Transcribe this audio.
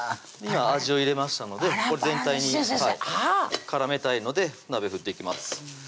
今味を入れましたのでこれ全体に絡めたいので鍋振っていきます